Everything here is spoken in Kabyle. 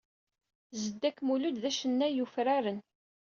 Zedek Mulud d acennay yufraren.